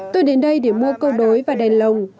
tôi đến đây để mua câu đối và đèn lồng